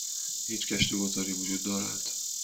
هیچ گشت و گذاری وجود دارد؟